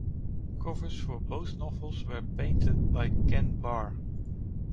Covers for both novels were painted by Ken Barr.